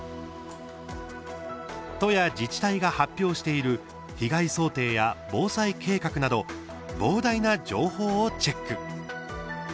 都や自治体が発表している被害想定や防災計画など膨大な情報をチェック。